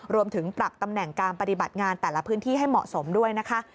รวมถึงปรับตำแหน่งการปฏิบัติงานแต่ละพื้นที่ให้เหมาะสมด้วยนะคะ